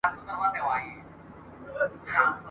په لمبو د کوه طور کي نڅېدمه !.